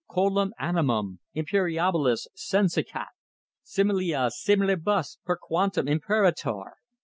Coelum animum imperiabilis senescat! Similia similibus per quantum imperator.